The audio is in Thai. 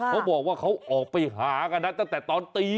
เขาบอกว่าเขาออกไปหากันนะตั้งแต่ตอนตี